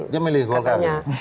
dia memilih golkar